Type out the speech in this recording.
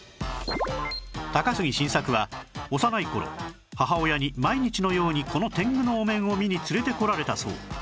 高杉晋作は幼い頃母親に毎日のようにこの天狗のお面を見に連れてこられたそう